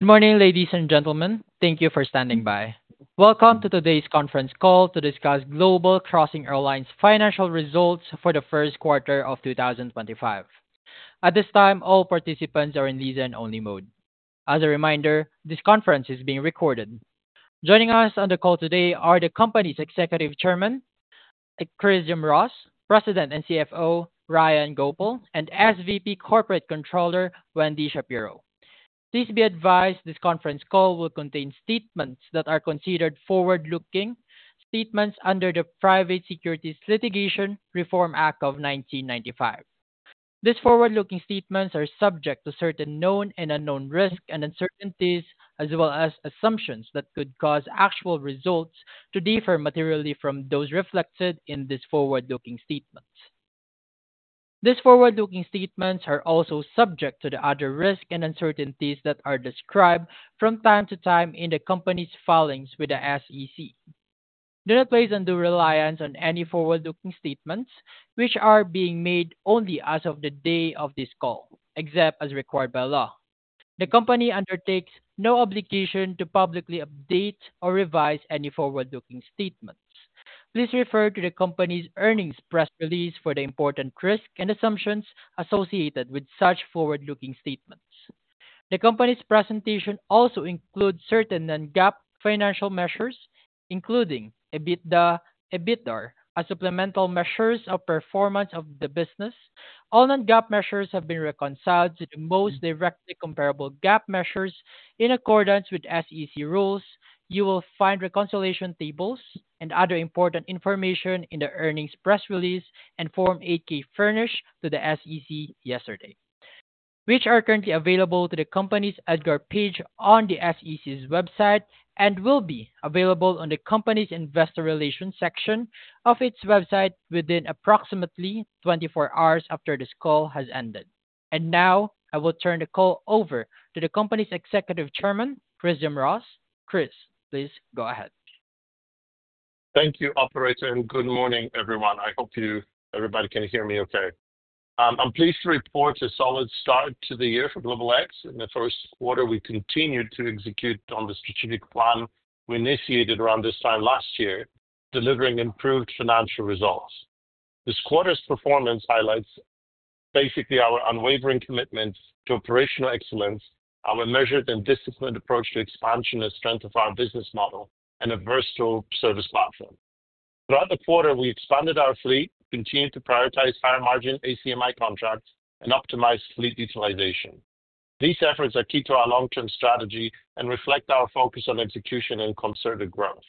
Good morning, ladies and gentlemen. Thank you for standing by. Welcome to today's conference call to discuss Global Crossing Airlines' financial results for the first quarter of 2025. At this time, all participants are in listen-only mode. As a reminder, this conference is being recorded. Joining us on the call today are the company's Executive Chairman, Chris Jamroz, President and CFO, Ryan Goepel, and SVP Corporate Controller, Wendy Shapiro. Please be advised this conference call will contain statements that are considered forward-looking statements under the Private Securities Litigation Reform Act of 1995. These forward-looking statements are subject to certain known and unknown risks and uncertainties, as well as assumptions that could cause actual results to differ materially from those reflected in these forward-looking statements. These forward-looking statements are also subject to the other risks and uncertainties that are described from time to time in the company's filings with the SEC. Do not place any reliance on any forward-looking statements, which are being made only as of the day of this call, except as required by law. The company undertakes no obligation to publicly update or revise any forward-looking statements. Please refer to the company's earnings press release for the important risks and assumptions associated with such forward-looking statements. The company's presentation also includes certain non-GAAP financial measures, including EBITDA, EBITDAR, as supplemental measures of performance of the business. All non-GAAP measures have been reconciled to the most directly comparable GAAP measures in accordance with SEC rules. You will find reconciliation tables and other important information in the earnings press release and Form 8K furnished to the SEC yesterday, which are currently available to the company's EDGAR page on the SEC's website and will be available on the company's investor relations section of its website within approximately 24 hours after this call has ended. I will turn the call over to the company's Executive Chairman, Chris Jamroz. Chris, please go ahead. Thank you, Operator, and good morning, everyone. I hope everybody can hear me okay. I'm pleased to report a solid start to the year for GlobalX. In the first quarter, we continued to execute on the strategic plan we initiated around this time last year, delivering improved financial results. This quarter's performance highlights basically our unwavering commitment to operational excellence, our measured and disciplined approach to expansion and strength of our business model, and a versatile service platform. Throughout the quarter, we expanded our fleet, continued to prioritize higher margin ACMI contracts, and optimized fleet utilization. These efforts are key to our long-term strategy and reflect our focus on execution and concerted growth.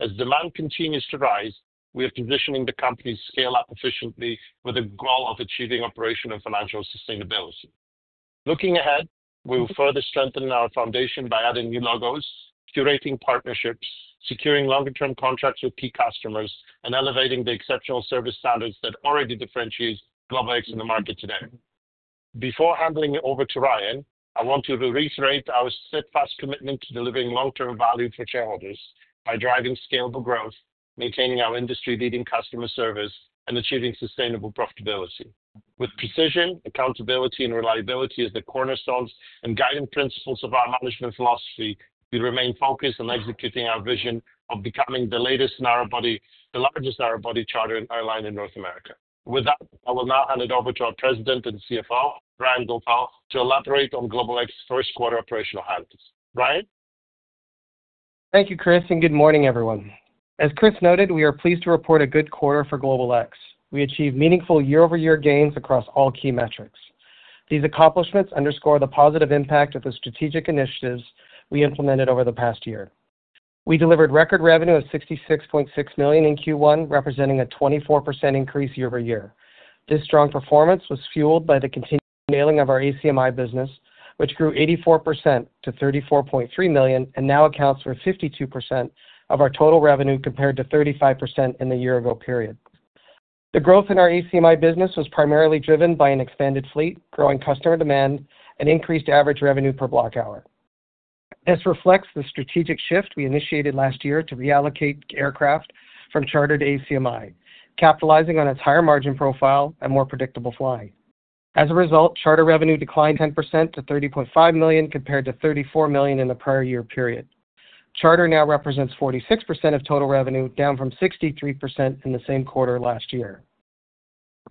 As demand continues to rise, we are positioning the company to scale up efficiently with a goal of achieving operational financial sustainability. Looking ahead, we will further strengthen our foundation by adding new logos, curating partnerships, securing longer-term contracts with key customers, and elevating the exceptional service standards that already differentiate GlobalX in the market today. Before handing it over to Ryan, I want to reiterate our steadfast commitment to delivering long-term value for shareholders by driving scalable growth, maintaining our industry-leading customer service, and achieving sustainable profitability. With precision, accountability, and reliability as the cornerstones and guiding principles of our management philosophy, we remain focused on executing our vision of becoming the latest and largest narrowbody chartered airline in North America. With that, I will now hand it over to our President and CFO, Ryan Goepel, to elaborate on GlobalX's first quarter operational habits. Ryan? Thank you, Chris, and good morning, everyone. As Chris noted, we are pleased to report a good quarter for GlobalX. We achieved meaningful year-over-year gains across all key metrics. These accomplishments underscore the positive impact of the strategic initiatives we implemented over the past year. We delivered record revenue of $66.6 million in Q1, representing a 24% increase year-over-year. This strong performance was fueled by the continued nailing of our ACMI business, which grew 84% to $34.3 million and now accounts for 52% of our total revenue compared to 35% in the year-ago period. The growth in our ACMI business was primarily driven by an expanded fleet, growing customer demand, and increased average revenue per block hour. This reflects the strategic shift we initiated last year to reallocate aircraft from chartered ACMI, capitalizing on its higher margin profile and more predictable flying. As a result, charter revenue declined 10% to $30.5 million compared to $34 million in the prior year period. Charter now represents 46% of total revenue, down from 63% in the same quarter last year.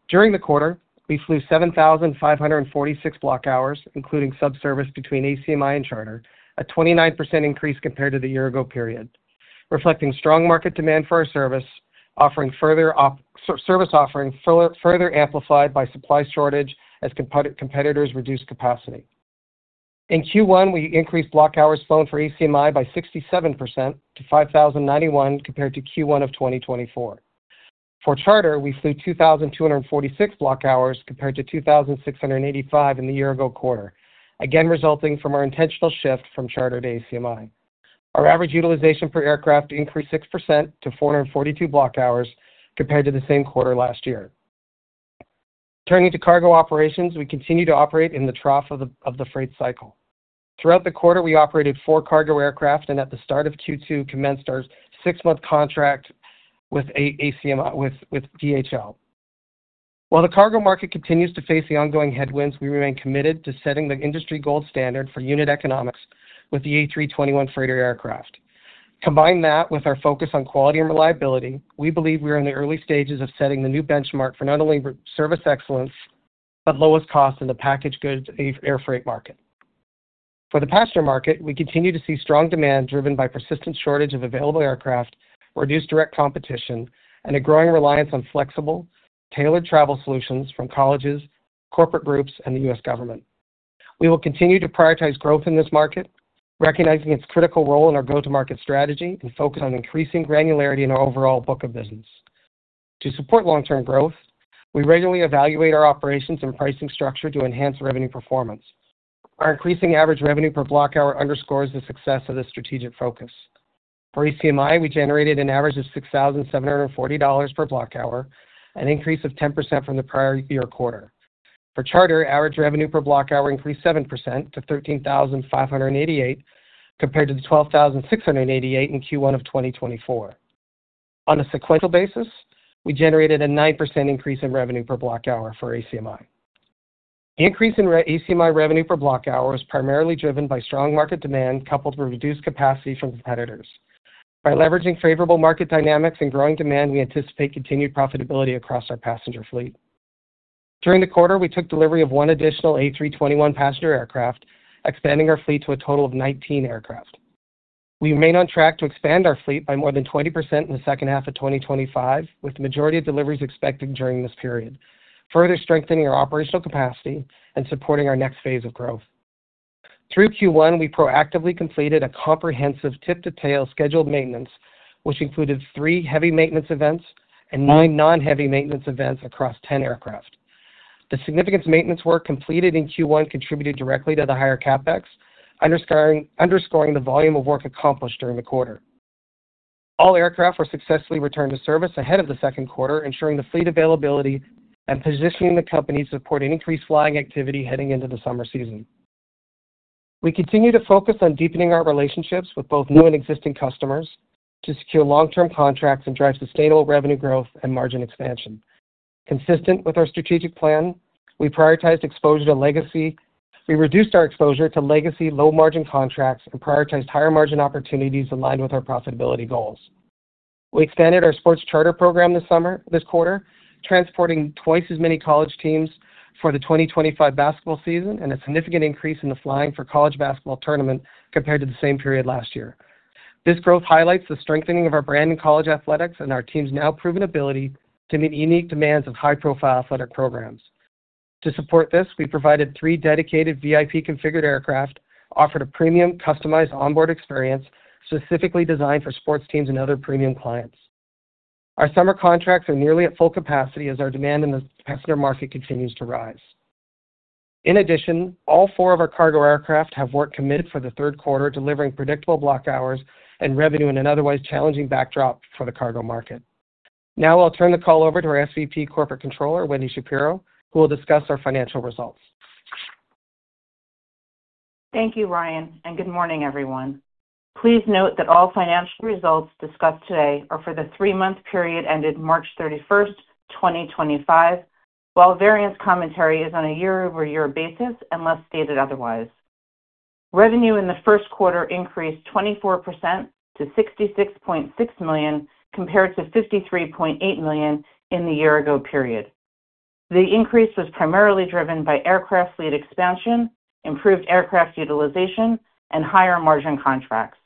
During the quarter, we flew 7,546 block hours, including subservice between ACMI and charter, a 29% increase compared to the year-ago period, reflecting strong market demand for our service, service offering further amplified by supply shortage as competitors reduced capacity. In Q1, we increased block hours flown for ACMI by 67% to 5,091 compared to Q1 of 2024. For charter, we flew 2,246 block hours compared to 2,685 in the year-ago quarter, again resulting from our intentional shift from chartered ACMI. Our average utilization per aircraft increased 6% to 442 block hours compared to the same quarter last year. Turning to cargo operations, we continue to operate in the trough of the freight cycle. Throughout the quarter, we operated four cargo aircraft, and at the start of Q2, commenced our six-month contract with DHL. While the cargo market continues to face the ongoing headwinds, we remain committed to setting the industry gold standard for unit economics with the A321 freighter aircraft. Combine that with our focus on quality and reliability, we believe we are in the early stages of setting the new benchmark for not only service excellence but lowest cost in the packaged goods air freight market. For the passenger market, we continue to see strong demand driven by persistent shortage of available aircraft, reduced direct competition, and a growing reliance on flexible, tailored travel solutions from colleges, corporate groups, and the U.S. government. We will continue to prioritize growth in this market, recognizing its critical role in our go-to-market strategy and focus on increasing granularity in our overall book of business. To support long-term growth, we regularly evaluate our operations and pricing structure to enhance revenue performance. Our increasing average revenue per block hour underscores the success of this strategic focus. For ACMI, we generated an average of $6,740 per block hour, an increase of 10% from the prior year quarter. For charter, average revenue per block hour increased 7% to $13,588 compared to the $12,688 in Q1 of 2024. On a sequential basis, we generated a 9% increase in revenue per block hour for ACMI. The increase in ACMI revenue per block hour was primarily driven by strong market demand coupled with reduced capacity from competitors. By leveraging favorable market dynamics and growing demand, we anticipate continued profitability across our passenger fleet. During the quarter, we took delivery of one additional A321 passenger aircraft, expanding our fleet to a total of 19 aircraft. We remain on track to expand our fleet by more than 20% in the second half of 2025, with the majority of deliveries expected during this period, further strengthening our operational capacity and supporting our next phase of growth. Through Q1, we proactively completed a comprehensive tip-to-tail scheduled maintenance, which included three heavy maintenance events and nine non-heavy maintenance events across 10 aircraft. The significant maintenance work completed in Q1 contributed directly to the higher CapEx, underscoring the volume of work accomplished during the quarter. All aircraft were successfully returned to service ahead of the second quarter, ensuring the fleet availability and positioning the company to support an increased flying activity heading into the summer season. We continue to focus on deepening our relationships with both new and existing customers to secure long-term contracts and drive sustainable revenue growth and margin expansion. Consistent with our strategic plan, we prioritized exposure to legacy. We reduced our exposure to legacy low-margin contracts and prioritized higher margin opportunities aligned with our profitability goals. We expanded our sports charter program this quarter, transporting twice as many college teams for the 2025 basketball season and a significant increase in the flying for college basketball tournament compared to the same period last year. This growth highlights the strengthening of our brand in college athletics and our team's now proven ability to meet unique demands of high-profile athletic programs. To support this, we provided three dedicated VIP configured aircraft, offered a premium customized onboard experience specifically designed for sports teams and other premium clients. Our summer contracts are nearly at full capacity as our demand in the passenger market continues to rise. In addition, all four of our cargo aircraft have work committed for the third quarter, delivering predictable block hours and revenue in an otherwise challenging backdrop for the cargo market. Now I'll turn the call over to our SVP Corporate Controller, Wendy Shapiro, who will discuss our financial results. Thank you, Ryan, and good morning, everyone. Please note that all financial results discussed today are for the three-month period ended March 31, 2025, while variance commentary is on a year-over-year basis unless stated otherwise. Revenue in the first quarter increased 24% to $66.6 million compared to $53.8 million in the year-ago period. The increase was primarily driven by aircraft fleet expansion, improved aircraft utilization, and higher margin contracts.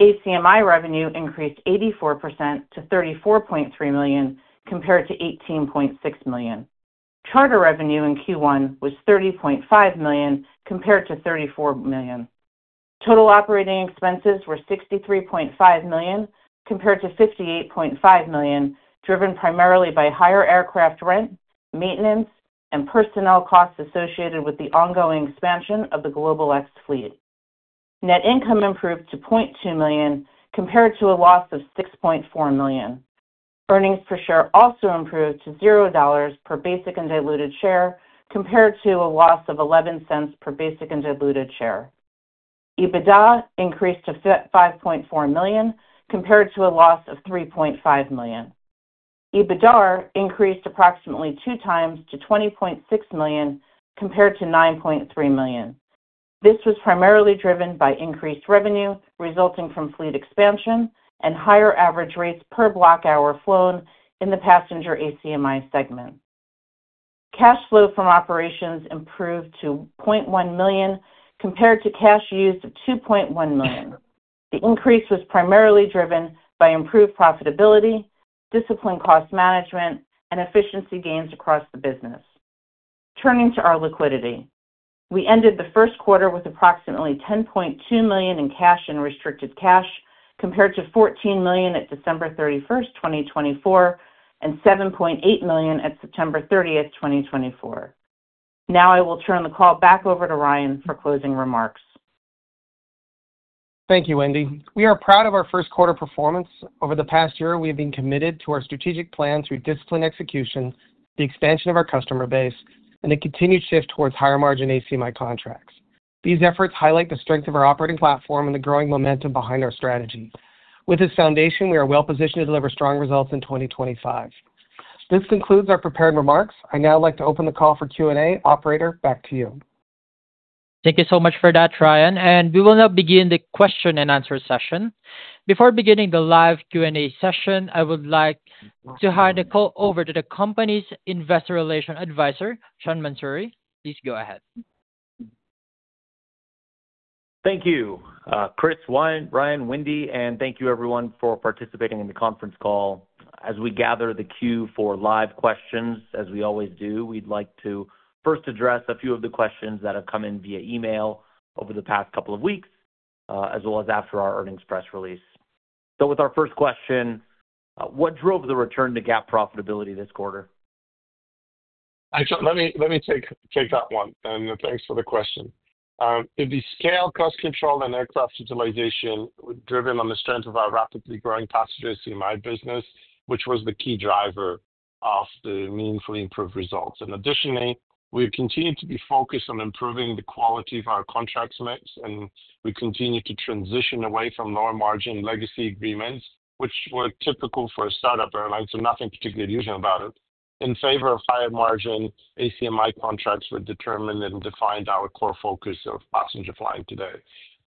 ACMI revenue increased 84% to $34.3 million compared to $18.6 million. Charter revenue in Q1 was $30.5 million compared to $34 million. Total operating expenses were $63.5 million compared to $58.5 million, driven primarily by higher aircraft rent, maintenance, and personnel costs associated with the ongoing expansion of the GlobalX fleet. Net income improved to $0.2 million compared to a loss of $6.4 million. Earnings per share also improved to $0 per basic and diluted share compared to a loss of $0.11 per basic and diluted share. EBITDA increased to $5.4 million compared to a loss of $3.5 million. EBITDAR increased approximately 2x to $20.6 million compared to $9.3 million. This was primarily driven by increased revenue resulting from fleet expansion and higher average rates per block hour flown in the passenger ACMI segment. Cash flow from operations improved to $0.1 million compared to cash used of $2.1 million. The increase was primarily driven by improved profitability, disciplined cost management, and efficiency gains across the business. Turning to our liquidity, we ended the first quarter with approximately $10.2 million in cash and restricted cash compared to $14 million at December 31, 2024, and $7.8 million at September 30, 2024. Now I will turn the call back over to Ryan for closing remarks. Thank you, Wendy. We are proud of our first quarter performance. Over the past year, we have been committed to our strategic plan through disciplined execution, the expansion of our customer base, and the continued shift towards higher margin ACMI contracts. These efforts highlight the strength of our operating platform and the growing momentum behind our strategy. With this foundation, we are well-positioned to deliver strong results in 2025. This concludes our prepared remarks. I now like to open the call for Q&A. Operator, back to you. Thank you so much for that, Ryan. We will now begin the question and answer session. Before beginning the live Q&A session, I would like to hand the call over to the company's Investor Relations advisor, Sean Mansouri. Please go ahead. Thank you, Chris, Ryan, Wendy, and thank you, everyone, for participating in the conference call. As we gather the queue for live questions, as we always do, we'd like to first address a few of the questions that have come in via email over the past couple of weeks, as well as after our earnings press release. With our first question, what drove the return to GAAP profitability this quarter? Let me take that one, and thanks for the question. It'd be scale, cost control, and aircraft utilization driven on the strength of our rapidly growing passenger ACMI business, which was the key driver of the meaningfully improved results. Additionally, we've continued to be focused on improving the quality of our contracts mix, and we continue to transition away from lower margin legacy agreements, which were typical for a startup airline, so nothing particularly unusual about it, in favor of higher margin ACMI contracts that determined and defined our core focus of passenger flying today.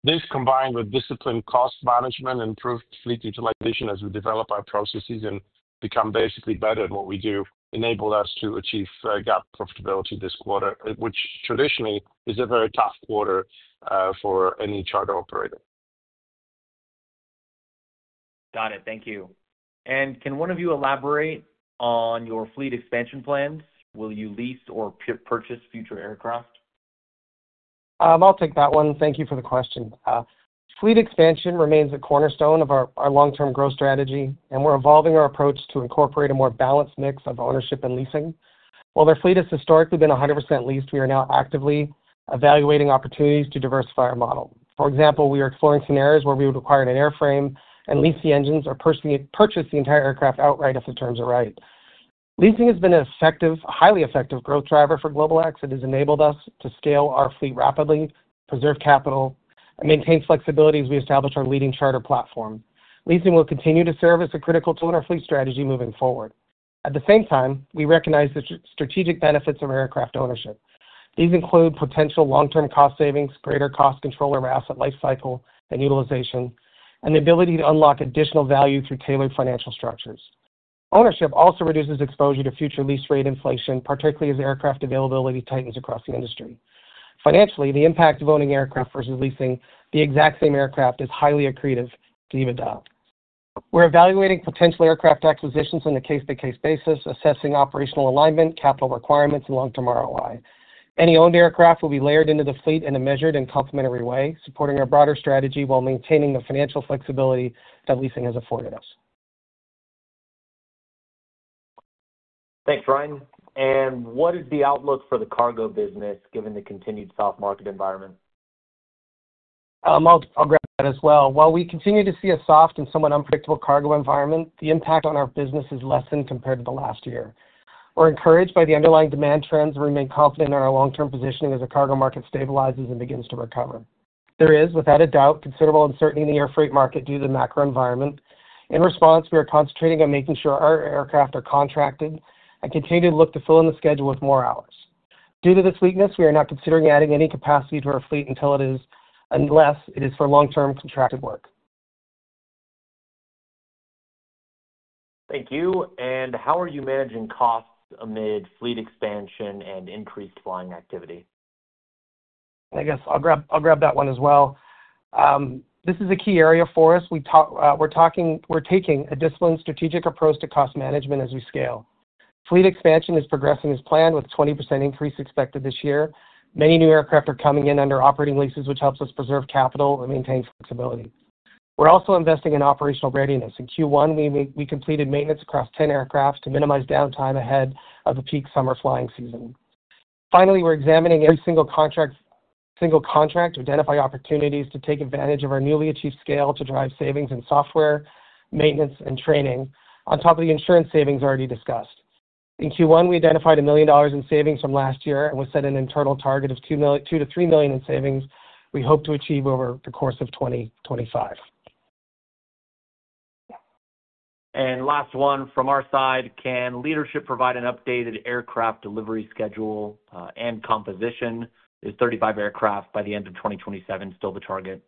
This, combined with disciplined cost management and improved fleet utilization as we develop our processes and become basically better at what we do, enabled us to achieve GAAP profitability this quarter, which traditionally is a very tough quarter for any charter operator. Got it. Thank you. Can one of you elaborate on your fleet expansion plans? Will you lease or purchase future aircraft? I'll take that one. Thank you for the question. Fleet expansion remains a cornerstone of our long-term growth strategy, and we're evolving our approach to incorporate a more balanced mix of ownership and leasing. While their fleet has historically been 100% leased, we are now actively evaluating opportunities to diversify our model. For example, we are exploring scenarios where we would acquire an airframe and lease the engines or purchase the entire aircraft outright if the terms are right. Leasing has been a highly effective growth driver for Global Crossing Airlines. It has enabled us to scale our fleet rapidly, preserve capital, and maintain flexibility as we establish our leading charter platform. Leasing will continue to serve as a critical tool in our fleet strategy moving forward. At the same time, we recognize the strategic benefits of aircraft ownership. These include potential long-term cost savings, greater cost control over asset lifecycle and utilization, and the ability to unlock additional value through tailored financial structures. Ownership also reduces exposure to future lease rate inflation, particularly as aircraft availability tightens across the industry. Financially, the impact of owning aircraft versus leasing the exact same aircraft is highly accretive to EBITDA. We're evaluating potential aircraft acquisitions on a case-by-case basis, assessing operational alignment, capital requirements, and long-term ROI. Any owned aircraft will be layered into the fleet in a measured and complementary way, supporting our broader strategy while maintaining the financial flexibility that leasing has afforded us. Thanks, Ryan. What is the outlook for the cargo business given the continued soft market environment? I'll grab that as well. While we continue to see a soft and somewhat unpredictable cargo environment, the impact on our business is lessened compared to the last year. We're encouraged by the underlying demand trends and remain confident in our long-term positioning as the cargo market stabilizes and begins to recover. There is, without a doubt, considerable uncertainty in the air freight market due to the macro environment. In response, we are concentrating on making sure our aircraft are contracted and continue to look to fill in the schedule with more hours. Due to this weakness, we are not considering adding any capacity to our fleet unless it is for long-term contracted work. Thank you. How are you managing costs amid fleet expansion and increased flying activity? I guess I'll grab that one as well. This is a key area for us. We're taking a disciplined strategic approach to cost management as we scale. Fleet expansion is progressing as planned with a 20% increase expected this year. Many new aircraft are coming in under operating leases, which helps us preserve capital and maintain flexibility. We're also investing in operational readiness. In Q1, we completed maintenance across 10 aircraft to minimize downtime ahead of the peak summer flying season. Finally, we're examining every single contract to identify opportunities to take advantage of our newly achieved scale to drive savings in software, maintenance, and training, on top of the insurance savings already discussed. In Q1, we identified $1 million in savings from last year and we set an internal target of $2 million-$3 million in savings. We hope to achieve over the course of 2025. Last one from our side, can leadership provide an updated aircraft delivery schedule and composition? Is 35 aircraft by the end of 2027 still the target?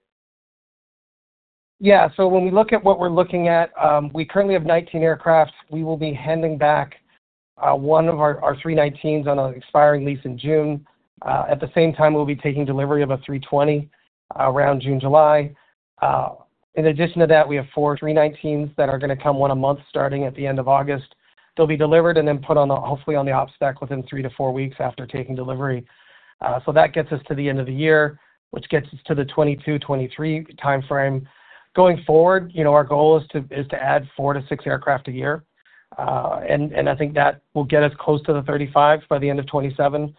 Yeah. So when we look at what we're looking at, we currently have 19 aircraft. We will be handing back one of our 319s on an expiring lease in June. At the same time, we'll be taking delivery of a 320 around June/July. In addition to that, we have four 319s that are going to come one a month starting at the end of August. They'll be delivered and then put on the hopefully on the ops stack within three to four weeks after taking delivery. That gets us to the end of the year, which gets us to the 2022-2023 timeframe. Going forward, our goal is to add four to six aircraft a year. I think that will get us close to 35 by the end of 2027.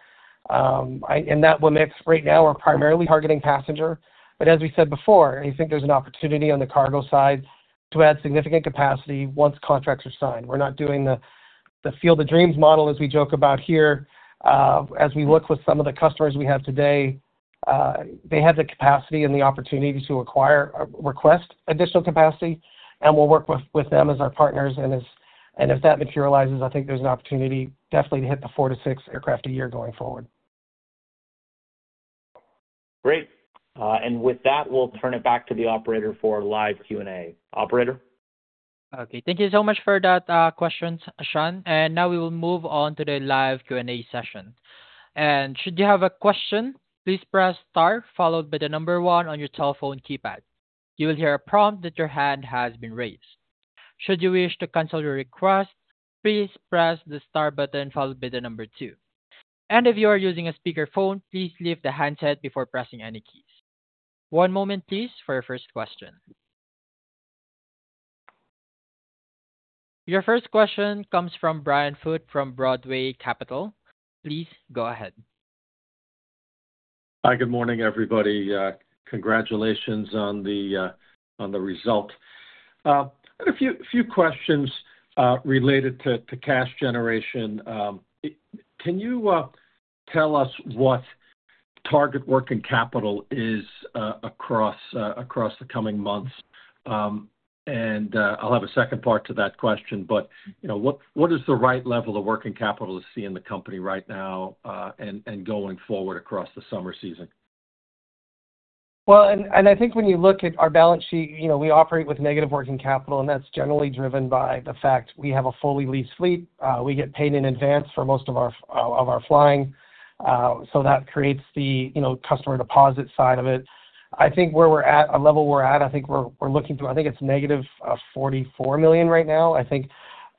That will mix. Right now, we're primarily targeting passenger. As we said before, I think there is an opportunity on the cargo side to add significant capacity once contracts are signed. We are not doing the Field of Dreams model, as we joke about here. As we look with some of the customers we have today, they have the capacity and the opportunity to request additional capacity. We will work with them as our partners. If that materializes, I think there is an opportunity definitely to hit the four- to six-aircraft a year going forward. Great. With that, we'll turn it back to the operator for live Q&A. Operator? Okay. Thank you so much for that question, Sean. Now we will move on to the live Q&A session. Should you have a question, please press Star, followed by the number one on your telephone keypad. You will hear a prompt that your hand has been raised. Should you wish to cancel your request, please press the Star button, followed by the number two. If you are using a speakerphone, please leave the handset before pressing any keys. One moment, please, for your first question. Your first question comes from Brian Foot from Broadway Capital. Please go ahead. Hi, good morning, everybody. Congratulations on the result. I had a few questions related to cash generation. Can you tell us what target working capital is across the coming months? I have a second part to that question, but what is the right level of working capital to see in the company right now and going forward across the summer season? I think when you look at our balance sheet, we operate with negative working capital, and that's generally driven by the fact we have a fully leased fleet. We get paid in advance for most of our flying, so that creates the customer deposit side of it. I think where we're at, the level we're at, I think we're looking to, I think it's negative $44 million right now. I think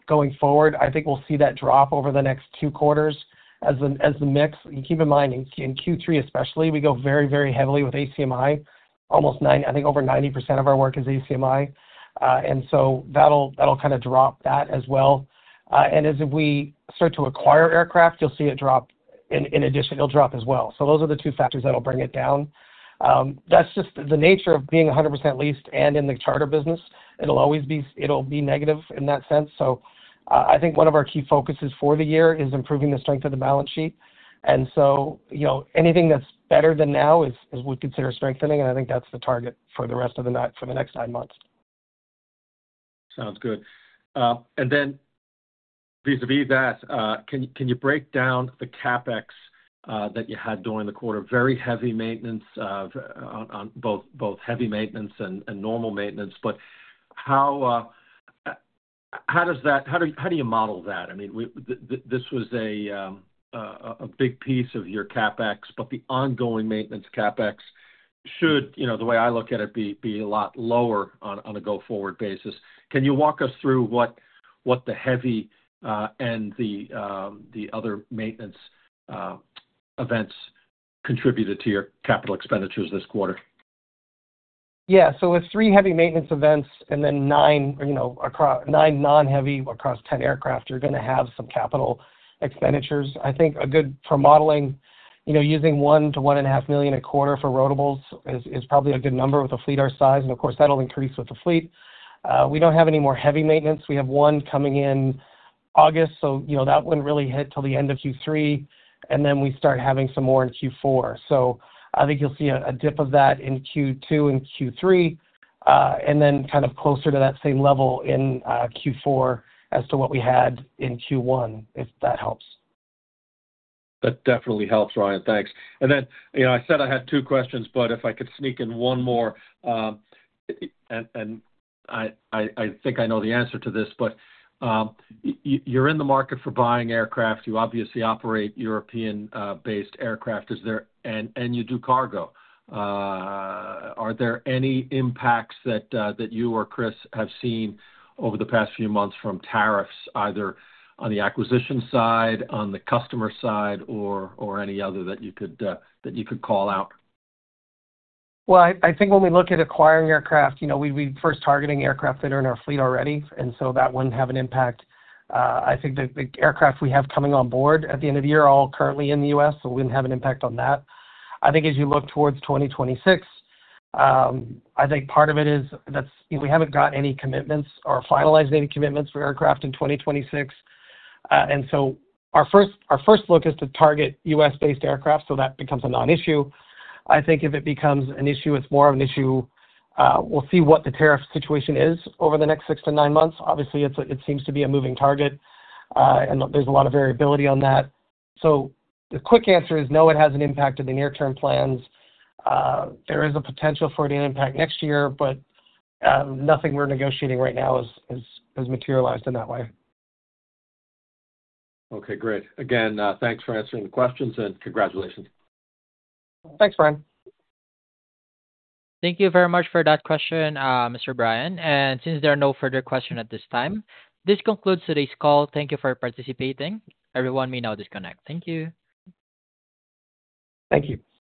going forward, I think we'll see that drop over the next two quarters as the mix. Keep in mind, in Q3 especially, we go very, very heavily with ACMI. I think over 90% of our work is ACMI. That'll kind of drop that as well. As we start to acquire aircraft, you'll see it drop. In addition, it'll drop as well. Those are the two factors that'll bring it down. That's just the nature of being 100% leased and in the charter business. It'll always be negative in that sense. I think one of our key focuses for the year is improving the strength of the balance sheet. Anything that's better than now is what we consider strengthening. I think that's the target for the rest of the next nine months. Sounds good. And then vis-à-vis that, can you break down the CapEx that you had during the quarter? Very heavy maintenance on both heavy maintenance and normal maintenance. But how do you model that? I mean, this was a big piece of your CapEx, but the ongoing maintenance CapEx should, the way I look at it, be a lot lower on a go-forward basis. Can you walk us through what the heavy and the other maintenance events contributed to your capital expenditures this quarter? Yeah. With three heavy maintenance events and then nine non-heavy across 10 aircraft, you're going to have some capital expenditures. I think for modeling, using $1 million-$1.5 million a quarter for rotables is probably a good number with a fleet our size. Of course, that'll increase with the fleet. We don't have any more heavy maintenance. We have one coming in August, so that wouldn't really hit till the end of Q3. We start having some more in Q4. I think you'll see a dip of that in Q2 and Q3, and then kind of closer to that same level in Q4 as to what we had in Q1, if that helps. That definitely helps, Ryan. Thanks. I said I had two questions, but if I could sneak in one more. I think I know the answer to this, but you're in the market for buying aircraft. You obviously operate European-based aircraft, and you do cargo. Are there any impacts that you or Chris have seen over the past few months from tariffs, either on the acquisition side, on the customer side, or any other that you could call out? I think when we look at acquiring aircraft, we'd be first targeting aircraft that are in our fleet already. That would not have an impact. I think the aircraft we have coming on board at the end of the year are all currently in the U.S., so we would not have an impact on that. I think as you look towards 2026, part of it is that we have not gotten any commitments or finalized any commitments for aircraft in 2026. Our first look is to target U.S.-based aircraft, so that becomes a non-issue. If it becomes an issue, it is more of an issue. We will see what the tariff situation is over the next six to nine months. Obviously, it seems to be a moving target, and there is a lot of variability on that. The quick answer is no, it has an impact on the near-term plans. There is a potential for an impact next year, but nothing we're negotiating right now has materialized in that way. Okay. Great. Again, thanks for answering the questions and congratulations. Thanks, Brian. Thank you very much for that question, Mr. Brian. Since there are no further questions at this time, this concludes today's call. Thank you for participating. Everyone may now disconnect. Thank you. Thank you.